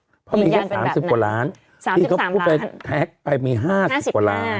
มียานเป็นแบบนั้นสามสิบสามล้านที่เขาพูดไปแท็กไปมีห้าสิบกว่าล้าน